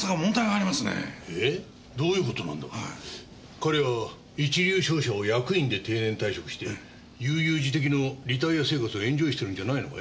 彼は一流商社を役員で定年退職して悠々自適のリタイア生活をエンジョイしてるんじゃないのかい？